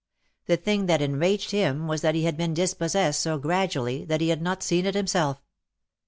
The thing that enraged him was that he had been dispossessed so gradually that he had not seen it himself.